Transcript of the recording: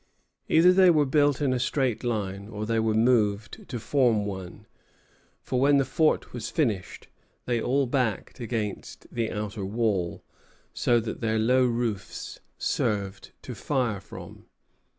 Either they were built in a straight line, or they were moved to form one, for when the fort was finished, they all backed against the outer wall, so that their low roofs served to fire from.